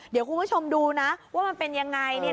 เดี๋ยวคุณผู้ชมดูนะว่ามันเป็นยังไง